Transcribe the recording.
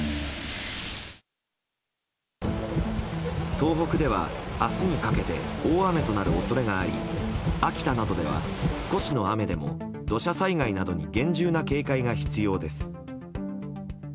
東北では明日にかけて大雨となる恐れがあり秋田などでは少しの雨でも土砂災害などに厳重な警戒が必要です。